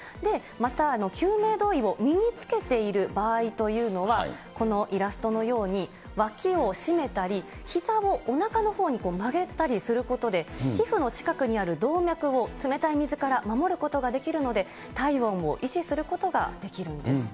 また、救命胴衣を身につけている場合というのは、このイラストのようにわきを締めたり、ひざをおなかのほうに曲げたりすることで、皮膚の近くにある動脈を、冷たい水から守ることができるので、体温を維持することができるんです。